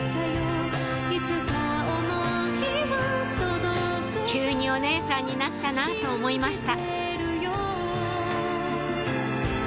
いつか思いは届くと「急にお姉さんになったなぁ」と思いました